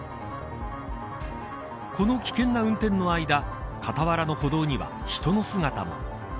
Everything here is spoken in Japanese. この危険な運転の間傍らの歩道には人の姿も。